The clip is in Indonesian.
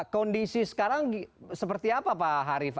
kondisi sekarang seperti apa pak harif